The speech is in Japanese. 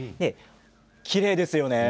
きれいですね。